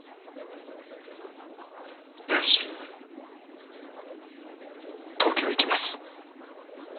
来週東京行きます。